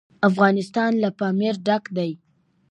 افغانستان له پامیر ډک دی.